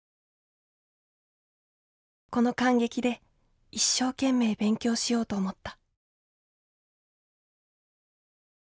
この感激で一生懸命勉強しようと思った」。